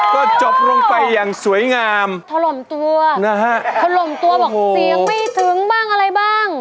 คนลมตัวบอกเสียงไม่ถึงบ้างอะไรบ้าง